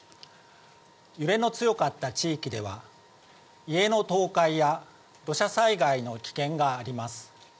揺れの強かった地域では、家の倒壊や土砂災害の危険があります。